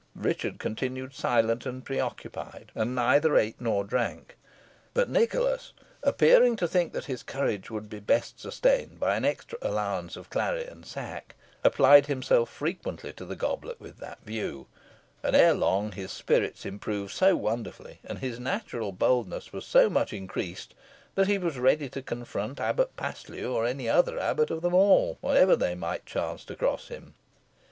Richard continued silent and preoccupied, and neither ate nor drank; but Nicholas appearing to think his courage would be best sustained by an extra allowance of clary and sack, applied himself frequently to the goblet with that view, and erelong his spirits improved so wonderfully, and his natural boldness was so much increased, that he was ready to confront Abbot Paslew, or any other abbot of them all, wherever they might chance to cross him.